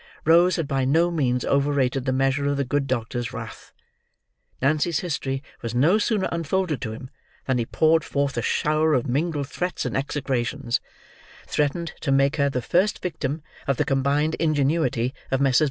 Rose had by no means overrated the measure of the good doctor's wrath. Nancy's history was no sooner unfolded to him, than he poured forth a shower of mingled threats and execrations; threatened to make her the first victim of the combined ingenuity of Messrs.